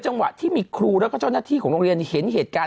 จังหวะที่มีครูแล้วก็เจ้าหน้าที่ของโรงเรียนเห็นเหตุการณ์